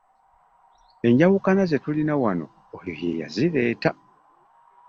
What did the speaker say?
Enjawukana ze tulina wano oyo ye yazireeta.